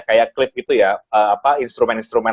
kayak klip gitu ya apa instrumen instrumen